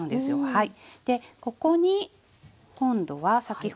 はい。